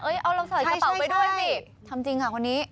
เอาเราใส่กระเป๋าไปด้วยสิทำจริงค่ะคนนี้